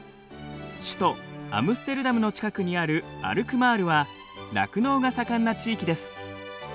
首都アムステルダムの近くにあるアルクマールは酪農が盛んな地域です。